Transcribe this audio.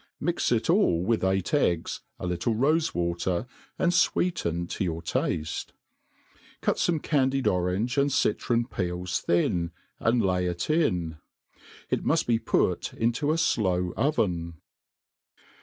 Mix it ail with eight eggs, a little rofe water, and .fweeten to your tafte. Cut fome candied orange and citron peels thi&9 and lay it in. It muft be put into a flow oven.